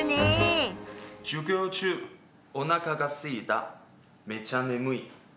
「授業中お腹がすいためちゃ眠い」。